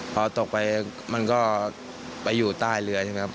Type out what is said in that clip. พอตกไปมันก็ไปอยู่ใต้เรือใช่ไหมครับ